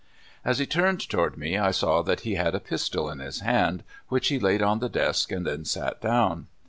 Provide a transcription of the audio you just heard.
As he turned toward me I saw that he had a pistol in his hand, which he laid on the desk, and then sat down.